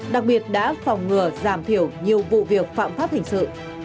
đặc biệt đã phòng ngừa giảm thiểu nhiều vụ việc phạm pháp hình sự